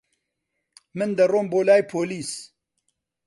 من دەڕۆم بۆ لای پۆلیس.